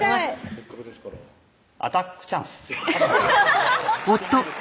せっかくですから「アタックチャンス‼」合ってます？